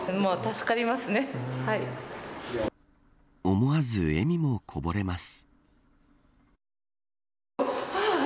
思わず笑みもこぼれます。